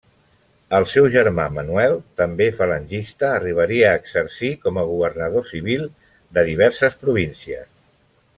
El seu germà Manuel, també falangista, arribaria exercir com a governador civil de diverses províncies.